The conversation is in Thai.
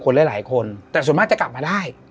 คุยกับคนหลายคนแต่ส่วนมากจะกลับมาได้